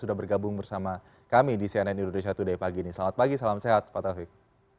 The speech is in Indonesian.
sudah bergabung bersama kami di cnn indonesia today pagi ini selamat pagi salam sehat pak taufik